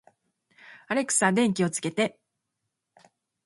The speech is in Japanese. アレクサ、電気をつけて